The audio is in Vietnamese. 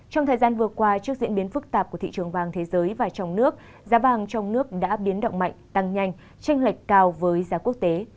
trong thời gian vừa qua trước diễn biến phức tạp của thị trường vàng thế giới và trong nước giá vàng trong nước đã biến động mạnh tăng nhanh tranh lệch cao với giá quốc tế